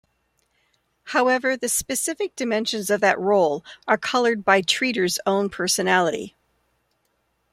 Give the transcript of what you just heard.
However, the specific dimensions of that role are colored by treater's own personality.